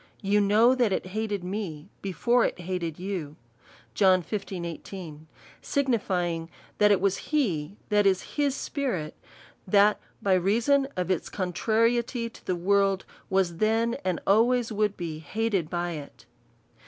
You know that it hated me he fore it hated 2/ou: signifying, that it was he, that is, his spirit, that by reason of its contrariety to the world, was then, and always would be hated by it.